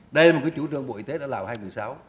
đây là một chủ trương bộ y tế ở lào năm hai nghìn một mươi sáu